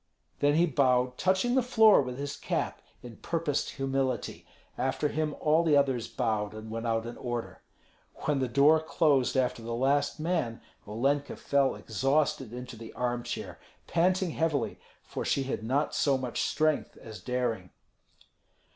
Then he bowed, touching the floor with his cap in purposed humility; after him all the others bowed, and went out in order. When the door closed after the last man, Olenka fell exhausted into the armchair, panting heavily, for she had not so much strength as daring.